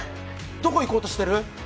どこいこうとしてる？